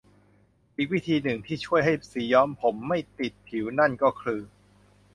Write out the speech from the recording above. อีกวิธีหนึ่งที่ช่วยให้สีย้อมผมไม่ติดผิวนั่นก็คือ